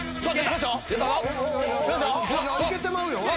いけてまうよ